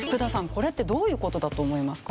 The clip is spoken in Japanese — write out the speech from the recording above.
これってどういう事だと思いますか？